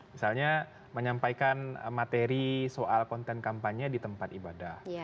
misalnya menyampaikan materi soal konten kampanye di tempat ibadah